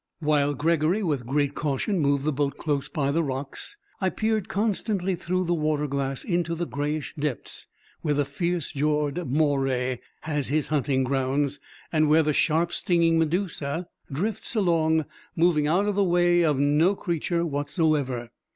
While Gregory with great caution moved the boat close by the rocks, I peered constantly through the water glass into the grayish depths where the fierce jawed moray has his hunting grounds, and where the sharp stinging medusa drifts along, moving out of the way of no creature whatsoever.